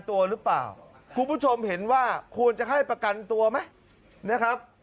ตัวหรือเปล่าคุณผู้ชมเห็นว่าควรจะให้ประกันตัวไหมนะครับ